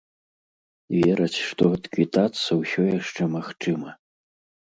Вераць, што адквітацца ўсё яшчэ магчыма.